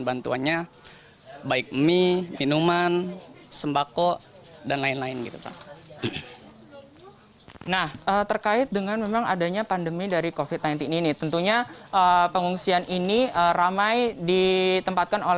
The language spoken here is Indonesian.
bersama pemprov dki jakarta